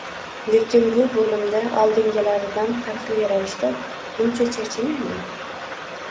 Lekin bu bo`limda oldingilaridan farqli ravishda uncha charchamayman